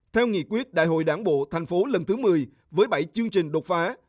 theo nghị quyết đại hội đảng bộ thành phố lần thứ một mươi với bảy chương trình đột phá